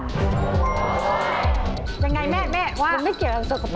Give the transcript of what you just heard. ยังไงแม่ว่ามันไม่เกี่ยวกับสกปรกนะ